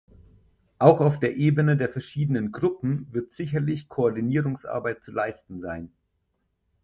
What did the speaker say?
Auch auf der Ebene der verschiedenen Gruppen wird sicherlich Koordinierungsarbeit zu leisten sein.